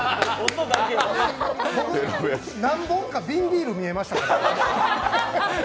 僕、何本か瓶ビール見えましたから。